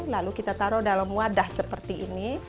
lalu kita taruh dalam wadah seperti ini